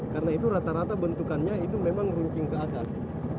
karena itu rata rata bentukannya itu memang runcing ke atas